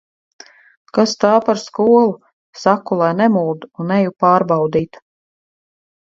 Kas tā par skolu! Saku, lai nemuld, un eju pārbaudīt.